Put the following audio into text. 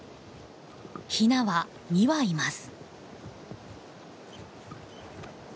ヒナは２羽います。